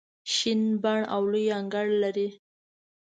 شین بڼ او لوی انګړ لري.